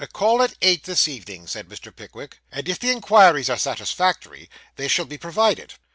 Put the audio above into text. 'Call at eight this evening,' said Mr. Pickwick; 'and if the inquiries are satisfactory, they shall be provided.